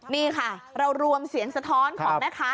นี่ค่ะเรารวมเสียงสะท้อนของแม่ค้า